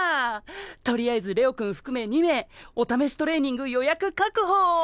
とりあえずレオくん含め２名お試しトレーニング予約確保！